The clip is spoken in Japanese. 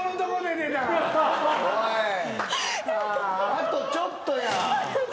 あとちょっとやん！